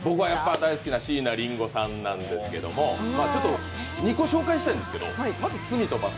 大好きな椎名林檎さんなんですけど、２個紹介したいんですけどまず、「罪と罰」。